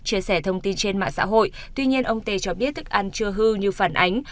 chia sẻ thông tin trên mạng xã hội tuy nhiên ông tê cho biết thức ăn chưa hư như phản ánh